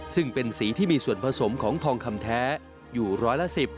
ซึ่งเป็นสีที่มีส่วนผสมของทองคำแท้อยู่ร้อยละ๑๐